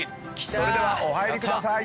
それではお入りください！